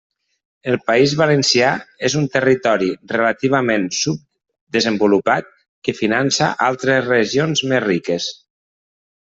El País Valencià és un territori relativament subdesenvolupat que finança altres regions més riques.